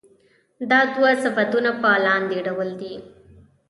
دا دوه صفتونه په لاندې ډول دي.